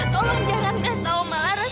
tolong jangan kasih tahu omalaras